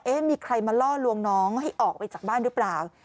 มีใครมาล่อลวงน้องให้ออกไปจากบ้านหรือเปล่า